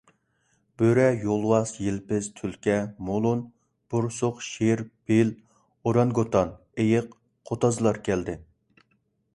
بۆرە، يولۋاس، يىلپىز، تۈلكە، مولۇن، بورسۇق، شىر، پىل، ئورانگوتان، ئېيىق، قوتازلار كەلدى.